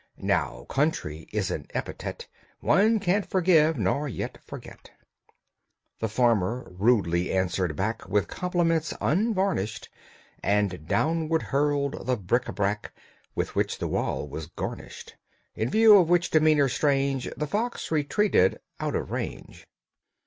(Now "country" is an epithet One can't forgive, nor yet forget.) The farmer rudely answered back With compliments unvarnished, And downward hurled the bric a brac With which the wall was garnished, In view of which demeanor strange, The fox retreated out of range.